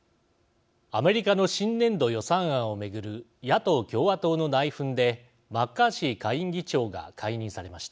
アメリカの新年度予算案を巡る野党・共和党の内紛でマッカーシー下院議長が解任されました。